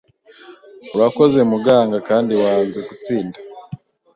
Urakoze Muganga kandi wanze gutsinda.